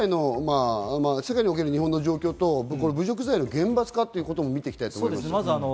世界における日本の状況と侮辱罪の厳罰化を見ていきたいと思います。